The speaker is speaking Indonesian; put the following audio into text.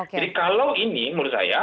jadi kalau ini menurut saya